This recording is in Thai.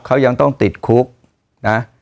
เขายังต้องติดคุกนะ